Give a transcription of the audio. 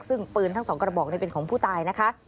ซึ่งปืนทั้งสองกระบอกนี่เป็นของผู้ตายนะคะ